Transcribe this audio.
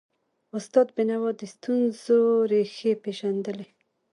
استاد بینوا د ستونزو ریښې پېژندلي.